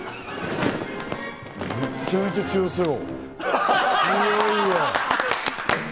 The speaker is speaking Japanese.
めっちゃめちゃ強そう！